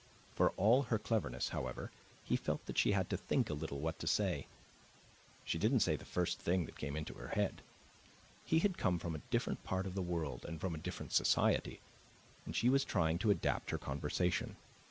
For all her cleverness, however, he felt that she had to think a little what to say; she didn't say the first thing that came into her head; he had come from a different part of the world and from a different society, and she was trying to adapt her conversation.